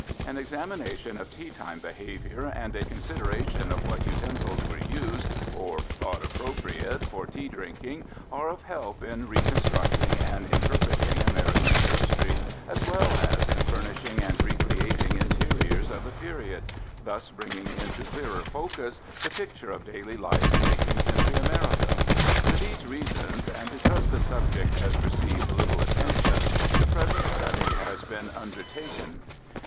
An examination of teatime behavior and a consideration of what utensils were used or thought appropriate for tea drinking are of help in reconstructing and interpreting American history as well as in furnishing and re creating interiors of the period, thus bringing into clearer focus the picture of daily life in 18th century America. For these reasons, and because the subject has received little attention, the present study has been undertaken.